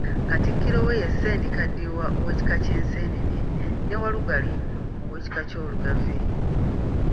Katikkiro we ye Ssendikaddiwa ow'ekika ky'Enseenene, ne Walugali ow'ekika ky'Olugave.